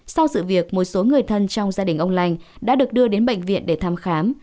sau sự việc một số người thân trong gia đình ông lành đã được đưa đến bệnh viện để thăm khám